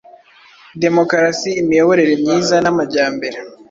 demokarasi, imiyoborere myiza namajyambere